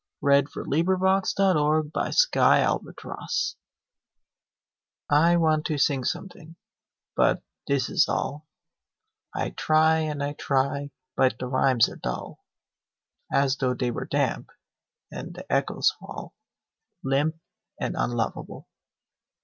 A SCRAWL I want to sing something but this is all I try and I try, but the rhymes are dull As though they were damp, and the echoes fall Limp and unlovable.